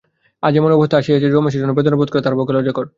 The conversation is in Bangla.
আজ এমন অবস্থা আসিয়াছে যে, রমেশের জন্য বেদনা বোধ করা তাহার পক্ষে লজ্জাকর।